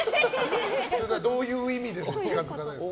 それはどういう意味での近づかないですか？